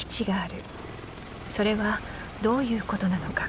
それはどういうことなのか？